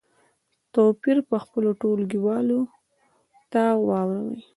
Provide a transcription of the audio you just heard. توپیر په خپلو ټولګیوالو ته واوروئ.